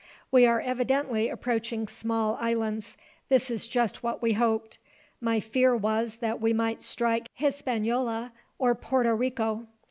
"We are evidently approaching small islands. This is just what we hoped. My fear was that we might strike Hispaniola, or Porto Rico.